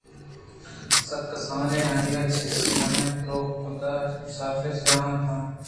سک کسان آ ئی ءَ چہ سلیج ءَ دور کُت ءُمسافرجاہ ءِ تہا شت